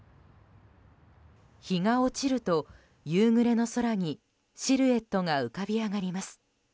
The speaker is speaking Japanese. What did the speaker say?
日が落ちると夕暮れの空にシルエットが浮かび上がります。